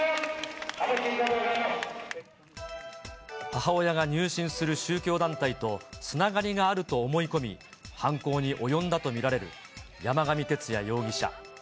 母親が入信する宗教団体とつながりがあると思い込み、犯行に及んだと見られる山上徹也容疑者。